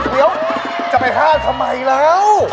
เดี๋ยวจะไปห้ามทำไมแล้ว